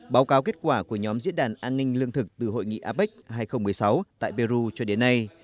báo cáo kết quả của nhóm diễn đàn an ninh lương thực từ hội nghị apec hai nghìn một mươi sáu tại peru cho đến nay